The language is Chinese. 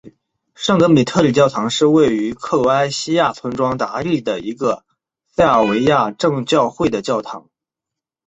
圣德米特里教堂是位于克罗埃西亚村庄达利的一个塞尔维亚正教会的教堂。